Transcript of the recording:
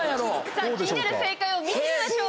さあ、気になる正解見てみましょう。